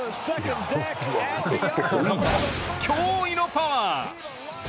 驚異のパワー。